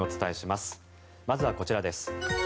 まずはこちらです。